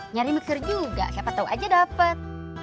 nyari mikser juga siapa tahu aja dapat